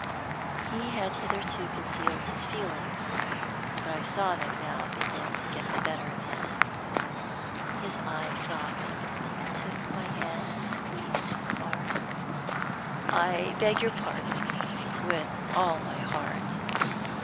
He had hitherto concealed his feelings, but I saw them now begin to get the better of him. His eyes softened, and he took my hand and squeezed it hard. "I beg your pardon," he said; "I beg your pardon, with all my heart."